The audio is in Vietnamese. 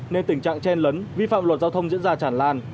nên tình trạng tren lấn vi phạm luật giao thông diễn ra chả năng